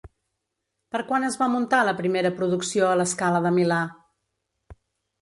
Per quan es va muntar la primera producció a La Scala de Milà?